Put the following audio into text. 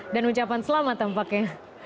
dan ucapan selamat tampaknya